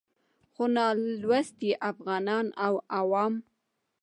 خو نالوستي افغانان او عوام